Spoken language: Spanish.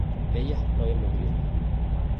ellas no habían bebido